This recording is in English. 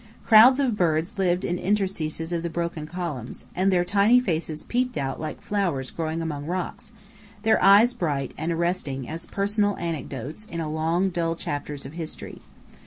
Crowds of birds lived in interstices of the broken columns, and their tiny faces peeped out like flowers growing among rocks, their eyes bright and arresting as personal anecdotes in long, dull chapters of history.